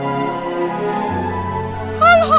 kamu udah nolongin aku lagi